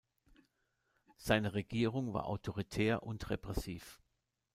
Seine Regierung war autoritär und repressiv.